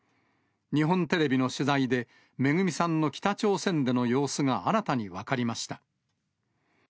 日本テレビの取材で、めぐみさんの北朝鮮での様子が新たに分かりました。